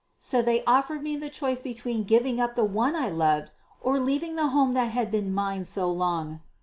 So they offered me the choice between giving up the one I loved or leaving the home that had been mine so long.